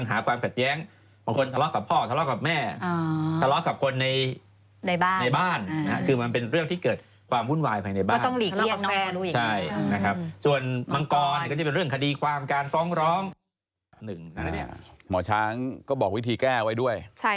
หมอช้างก็บอกวิธีแก้ไว้ด้วย